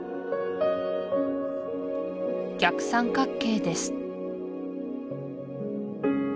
逆三角形です